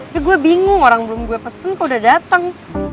ya gue bingung orang belum gue pesen kok udah datang